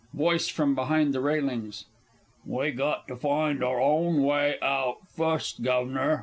VOICE FROM BEHIND THE RAILINGS. We got to find our own way out fust, Guv'nor.